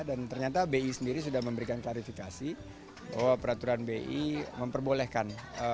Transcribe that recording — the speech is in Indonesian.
dan ternyata bi sendiri sudah memberikan klarifikasi bahwa peraturan bi memperbolehkan